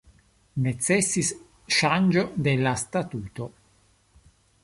Necesis ŝanĝo de la statuto.